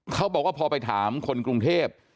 เขาบอกว่าพอไปถามคนกรุงเทพ